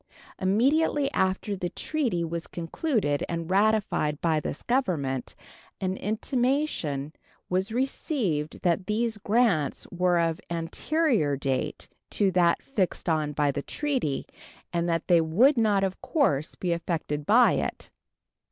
Immediately after the treaty was concluded and ratified by this Government an intimation was received that these grants were of anterior date to that fixed on by the treaty and that they would not, of course, be affected by it.